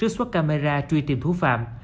xuất camera truy tìm thú phạm